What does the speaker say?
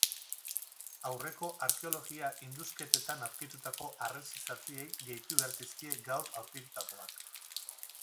Aurreko arkeologia-indusketetan aurkitutako harresi zatiei gehitu behar zaizkie gaur aurkitutakoak.